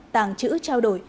tàng chữ trao đổi